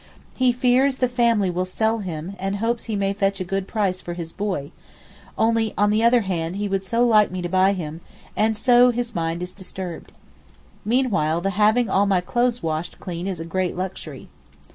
He fears the family will sell him and hopes he may fetch a good price for 'his boy'—only on the other hand he would so like me to buy him—and so his mind is disturbed. Meanwhile the having all my clothes washed clean is a great luxury.